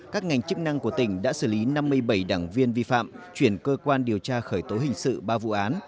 các ngành chức năng của tỉnh đã xử lý năm mươi bảy đảng viên vi phạm chuyển cơ quan điều tra khởi tố hình sự ba vụ án